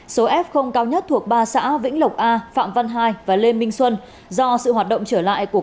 số f cao nhất thuộc ba xã vĩnh lộc a phạm văn hai và lê minh xuân do sự hoạt động trở lại của